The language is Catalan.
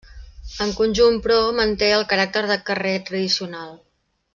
En conjunt però, manté el caràcter de carrer tradicional.